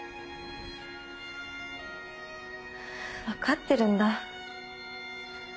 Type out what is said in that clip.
わかってるんだ